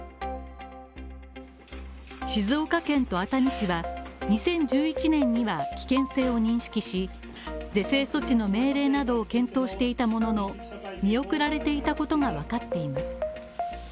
静岡県と熱海市は２０１１年には危険性を認識し、是正措置の命令などを検討していたものの見送られていたことがわかっています。